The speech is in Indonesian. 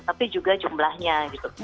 tapi juga jumlahnya gitu